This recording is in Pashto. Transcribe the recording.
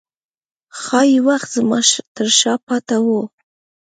ښايي وخت زما ترشا پاته و